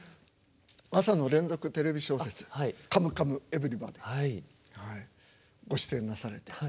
朝の連続テレビ小説「カムカムエヴリバディ」ご出演なされて。